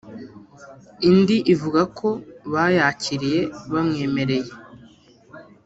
indi ivuga ko bayakiriye bamwemereye